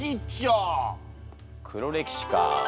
「黒歴史」か。